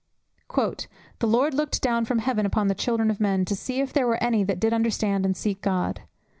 "The Lord looked down from heaven upon the children of men, to see if there were any that did understand, and seek God.